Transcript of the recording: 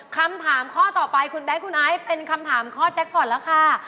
คำถามข้อต่อไปคุณแบ๊คคุณไอซ์เป็นคำถามข้อแจ็คพอร์ตแล้วค่ะ